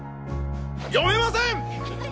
読めません！